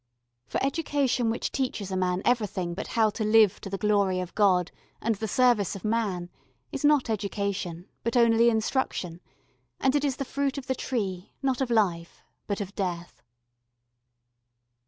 For Education which teaches a man everything but how to live to the glory of God and the service of man is not Education, but only instruction; and it is the fruit of the tree, not of Life, but of Death.